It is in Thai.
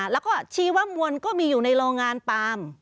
แล้วก็ชี้ว่ามวลก็มีอยู่ในโรงงานปาล์ม